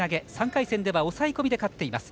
３回戦では抑え込みで勝っています。